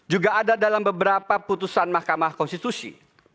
juga ada dalam beberapa putusan mahkamah konstitusi